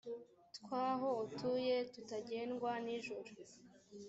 tw aho utuye tutagendwa nijoro